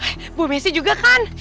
ibu messi juga kan